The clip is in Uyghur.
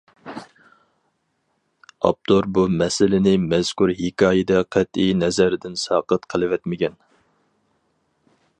ئاپتور بۇ مەسىلىنى مەزكۇر ھېكايىدە قەتئىي نەزەردىن ساقىت قىلىۋەتمىگەن.